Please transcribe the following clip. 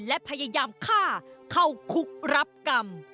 และพยายามฆ่าเข้าคุกรับกรรม